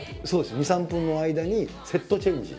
２３分の間にセットチェンジ。